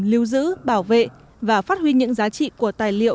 lưu giữ bảo vệ và phát huy những giá trị của tài liệu